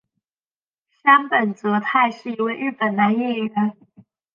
杉本哲太是一位日本男演员。